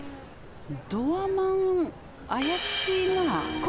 ドアマン怪しいな。